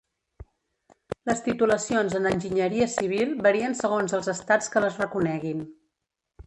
Les titulacions en enginyeria civil varien segons els estats que les reconeguin.